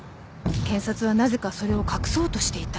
検察はなぜかそれを隠そうとしていた。